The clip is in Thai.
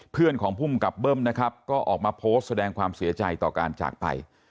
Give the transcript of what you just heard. เพื่อนของภูมิกับเบิ้มนะครับก็ออกมาโพสต์แสดงความเสียใจต่อการจากไป